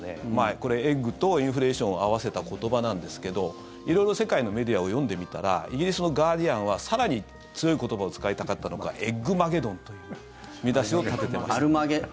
これ、エッグとインフレーションを合わせた言葉なんですけど色々、世界のメディアを読んでみたらイギリスのガーディアンは更に強い言葉を使いたかったのかエッグマゲドンという見出しを立ててます。